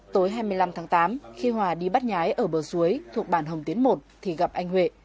tối hai mươi năm tháng tám khi hòa đi bắt nhái ở bờ suối thuộc bản hồng tiến một thì gặp anh huệ